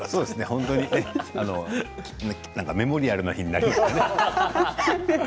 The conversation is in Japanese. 本当にメモリアルな日になりましたね。